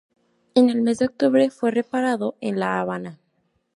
En el mes de octubre fue reparado en La Habana.